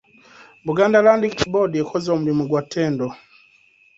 Buganda Land Board ekoze omulimu gwa ttendo.